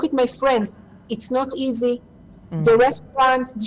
คนต้องไปถือแก่